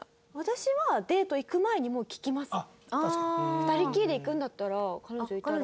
２人きりで行くんだったら彼女いたら。